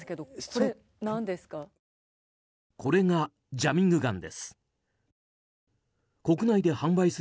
これが、ジャミングガンです。